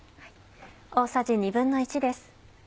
大さじ１／２です。